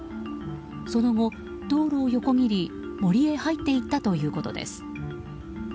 その後、道路を横切り森へ入っていったということです。